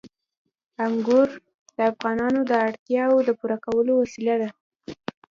انګور د افغانانو د اړتیاوو د پوره کولو وسیله ده.